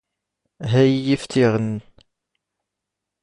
ⵀⴰ ⵉⵢⵉ ⴼⵜⵉⵖ ⵏⵏ.